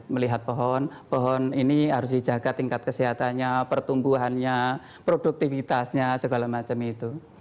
melihat pohon pohon ini harus dijaga tingkat kesehatannya pertumbuhannya produktivitasnya segala macam itu